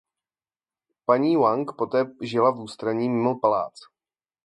Paní Wang poté žila v ústraní mimo palác.